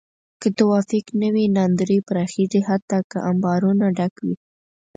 که توافق نه وي، ناندرۍ پراخېږي حتی که انبارونه ډک وي.